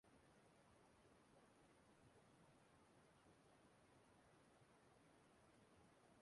O wee bụrụ etu ahụ ka ndị uweojii ahụ siri nwụchikọọ ndị arụrụala anọ ahụ